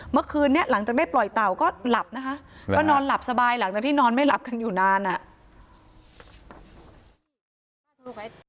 เมื่อคืนนะหลังจากเดี๋ยวไม่ปล่อยเต่าก็ต้องห